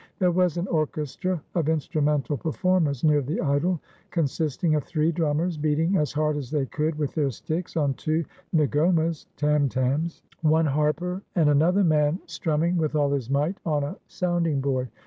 There was an orchestra of instrumental performers near the idol, con sisting of three drummers beating as hard as they could with their sticks on two ngomas (tam tams), one harper, and another man strumming with all his might on a sounding board.